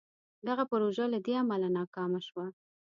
دغه پروژه له دې امله ناکامه شوه.